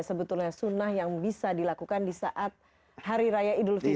sebetulnya sunnah yang bisa dilakukan di saat hari raya idul fitri